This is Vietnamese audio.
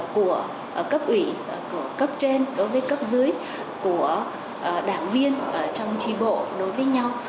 của cấp ủy của cấp trên đối với cấp dưới của đảng viên trong tri bộ đối với nhau